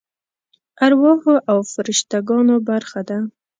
ارواحو او فرشته ګانو برخه ده.